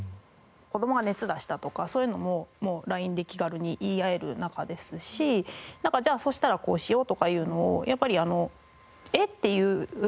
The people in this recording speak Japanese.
子どもが熱出したとかそういうのもＬＩＮＥで気軽に言い合える仲ですしじゃあそうしたらこうしようとかいうのをやっぱりあの。